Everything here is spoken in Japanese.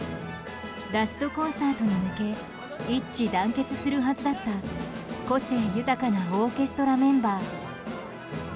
ラストコンサートに向け一致団結するはずだった個性豊かなオーケストラメンバー。